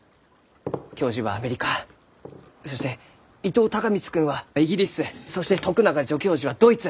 教授はアメリカそして伊藤孝光君はイギリスそして徳永助教授はドイツ。